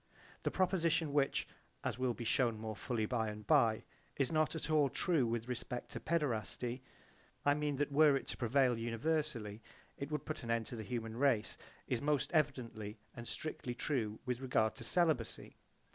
The proposition which (as will be shewn more fully by and by) is not at all true with respect to paederasty, I mean that were it to prevail universally it would put an end to the human race, is most evidently and strictly true with regard to celibacy.